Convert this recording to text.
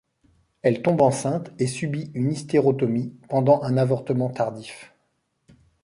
Elle tombe enceinte et subit une hystérotomie pendant un avortement tardif.